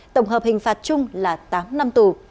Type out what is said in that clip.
tổng hợp hình phạt chung là tám năm tù